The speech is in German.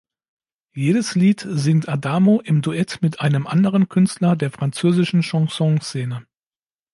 Jedes Lied singt Adamo im Duett mit einem anderen Künstler der französischen Chanson-Szene.